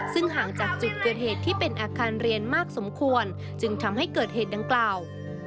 ซึ่งห่างจากจุดเกิดเหตุที่เป็นอาคารเรียนมากสมควรจึงทำให้เกิดเหตุดังกล่าว